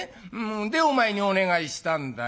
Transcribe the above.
でお前にお願いしたんだよ。